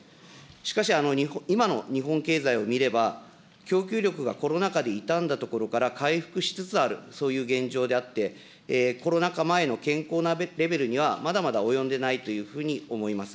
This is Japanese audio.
しかし、今の日本経済を見れば、供給力がコロナ禍でいたんだところから回復しつつある、そういう現状であって、コロナ禍前の健康なレベルには、まだまだ及んでないというふうに思います。